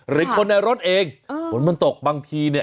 หรือคนในรถเองฝนมันตกบางทีเนี่ย